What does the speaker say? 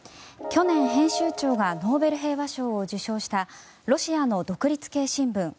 去、年編集長がノーベル平和賞を受賞したロシアの独立系新聞